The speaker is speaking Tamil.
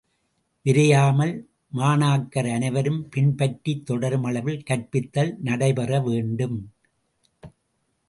விரையாமல், மாணாக்கர் அனைவரும் பின்பற்றித் தொடரும் அளவில் கற்பித்தல் நடைபெற வேண்டும்.